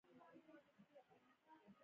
د مرغدارۍ فارم ګټور دی؟